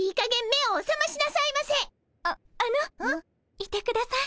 いてください。